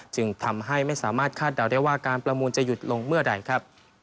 จึงทำให้ไม่สามารถคาดเดาได้ว่าการประมูลจะหยุดลงเมื่อใดครับ